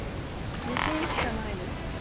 自信しかないです。